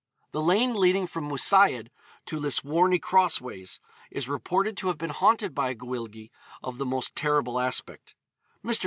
' The lane leading from Mousiad to Lisworney Crossways, is reported to have been haunted by a Gwyllgi of the most terrible aspect. Mr.